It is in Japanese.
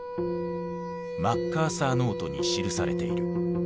「マッカーサー・ノート」に記されている。